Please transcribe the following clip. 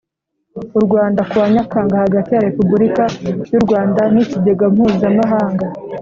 u Rwanda kuwa Nyakanga hagati ya Repubulika y u Rwanda n Ikigega Mpuzamahanga